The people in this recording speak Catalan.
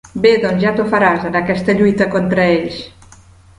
Bé, doncs ja t'ho faràs en aquesta lluita contra ells.